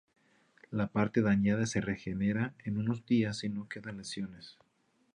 La parte dañada se regenera en unos días y no quedan lesiones.